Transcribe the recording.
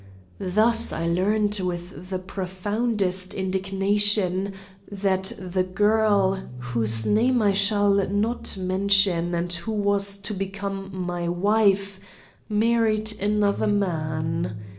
Thus I learned with the profoundest indignation that the girl, whose name I shall not mention and who was to become my wife, married another man.